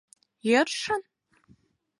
— Йӧршын?